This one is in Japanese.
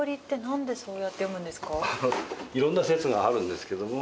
いろんな説があるんですけども。